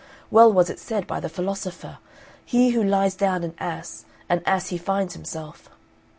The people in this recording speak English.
Well was it said by the philosopher, He who lies down an ass, an ass he finds himself.'